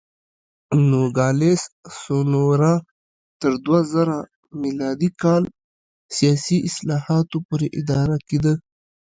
نوګالس سونورا تر دوه زره م کال سیاسي اصلاحاتو پورې اداره کېده.